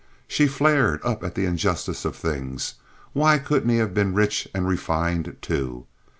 She flared up at the injustice of things—why couldn't he have been rich and refined, too?